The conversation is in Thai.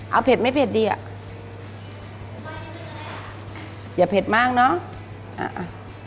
เอาเผ็ดไม่เผ็ดดีอ่ะอย่าเผ็ดมากเนอะอ่าอ่ะ